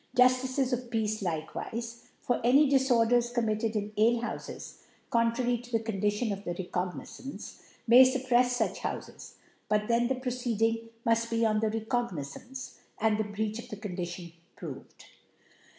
Juftices of Feacc Jikewife, for any Diibr dcrs committed in Alehoufes contrary to the Condition of> the Recognizance,, may fup prefe fuch Houfes 5 but then thfc Proceed ing, muft be on the Recognizance, and the Breach of the Condition proved •^•\'.